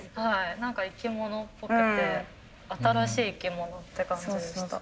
何か生き物っぽくて新しい生き物って感じでした。